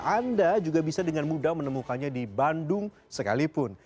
anda juga bisa dengan mudah menemukannya di bandung sekalipun